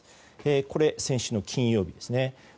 これは先週の金曜日ですね。